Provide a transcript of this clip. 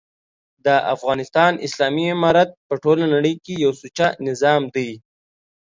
دافغانستان اسلامي امارت په ټوله نړۍ کي یو سوچه نظام دی